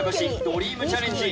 ドリームチャレンジ